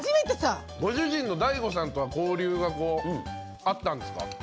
ご主人のＤＡＩＧＯさんとは交流があったんですか？